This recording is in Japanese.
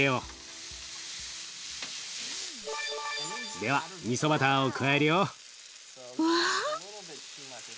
ではみそバターを加えるよ。わ！